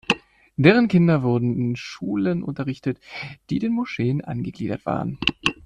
Deren Kinder wurden in Schulen unterrichtet, die den Moscheen angegliedert waren.